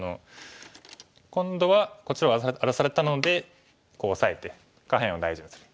今度はこっちを荒らされたのでこうオサえて下辺を大事にする。